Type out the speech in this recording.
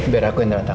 biar aku yang datang